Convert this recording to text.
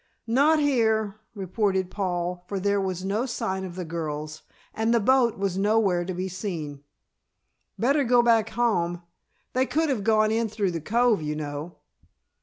"Not here," reported Paul, for there was no sign of the girls, and the boat was nowhere to be seen. "Better go back home. They could have gone in through the cove, you know."